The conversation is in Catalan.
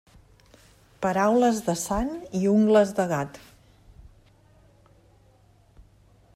Paraules de sant i ungles de gat.